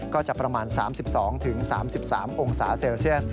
ก็จะประมาณ๓๒๓๓องศาเซลเซียส